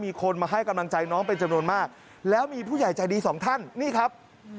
มีคนมาให้กำลังใจน้องเป็นจำนวนมากแล้วมีผู้ใหญ่ใจดีสองท่านนี่ครับ